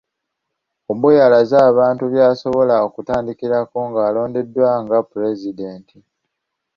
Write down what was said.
Oboi alaze abantu by'asuubira okutandikirako ng'alondeddwa nga pulezidenti.